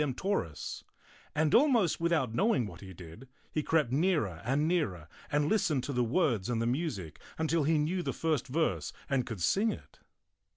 7p toris, and almost without knowing what he did, he crept nearer and nearer and listened to the words and the music until he knew the first verse and could sing it.